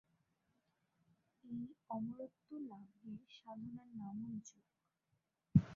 এই অমরত্ব লাভের সাধনার নামই ‘যোগ’।